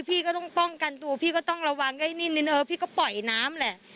พี่ก็ต้องป้องกันตัวพี่ก็ต้องระวังให้นิดเออพี่ก็ปล่อยน้ำแหละ